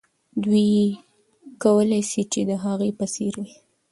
دوی کولای سي چې د هغې په څېر وي.